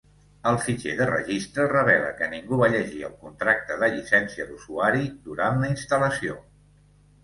El fitxer de registre revela que ningú va llegir el contracte de llicència d'usuari durant la instal·lació.